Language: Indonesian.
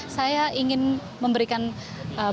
saya ingin memberikan bagaimana